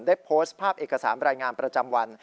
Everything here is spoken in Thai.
ได้โพสต์ภาพเอกสารรายงานประจำวัน